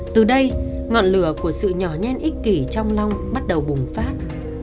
từ đây ngọn lửa của sự nhỏ nhen ích kỷ trong long bắt đầu bùng phát